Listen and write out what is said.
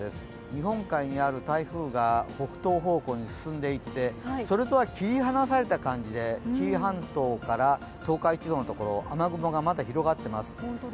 日本海にある台風が北東方向に進んでいってそれとは切り離された感じで紀伊半島から、東海地方のところ雨雲がまだ広がってます。